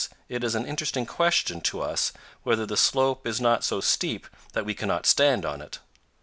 it is an interesting question to us whether the slope is not so steep that we cannot stand on it.